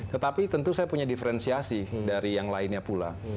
tetapi tentu saya punya diferensiasi dari yang lainnya pula